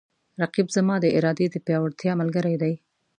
رقیب زما د ارادې د پیاوړتیا ملګری دی